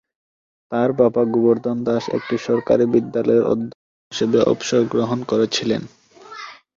তাঁর বাবা গোবর্ধন দাস একটি সরকারি বিদ্যালয়ের অধ্যক্ষ হিসাবে অবসর গ্রহণ করেছিলেন।